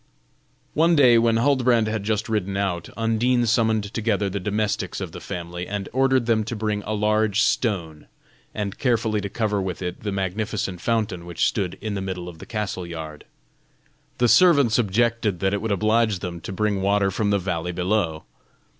One day, when Huldbrand had just ridden out, Undine summoned together the domestics of the family, and ordered them to bring a large stone, and carefully to cover with it the magnificent fountain which stood in the middle of the castle yard. The servants objected that it would oblige them to bring water from the valley below.